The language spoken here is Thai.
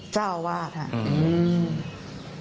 เจ้าอาวาสค่ะ